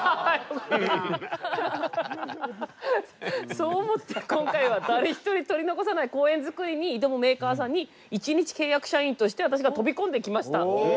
そう思って今回は誰ひとり取り残さない公園造りに挑むメーカーさんに１日契約社員として私が飛び込んできました。